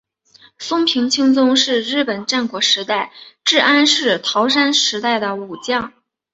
松平清宗是日本战国时代至安土桃山时代的武将。